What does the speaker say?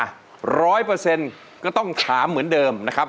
อ่ะร้อยเปอร์เซ็นต์ก็ต้องถามเหมือนเดิมนะครับ